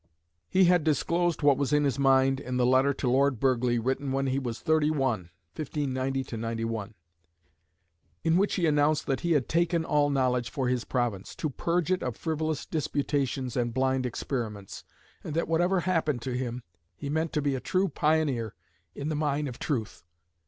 He had disclosed what was in his mind in the letter to Lord Burghley, written when he was thirty one (1590/91), in which he announced that he had "taken all knowledge for his province," to "purge it of 'frivolous disputations' and 'blind experiments,' and that whatever happened to him, he meant to be a 'true pioneer in the mine of truth.'"